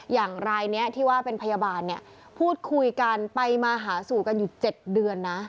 อย่างรายนี้ที่ว่าเป็นพยาบาลเนี่ยพูดคุยกันไปมาหาสู่กันอยู่๗เดือนนะ